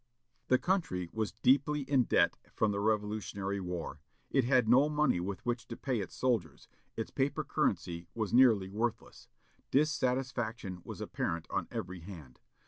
The country was deeply in debt from the Revolutionary War. It had no money with which to pay its soldiers; its paper currency was nearly worthless; dissatisfaction was apparent on every hand.